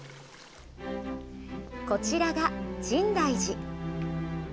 こちらが深大寺。